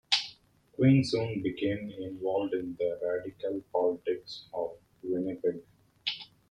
Queen soon became involved in the radical politics of Winnipeg.